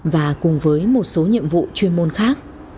và cùng với một số nhiệm vụ chuyên môn khác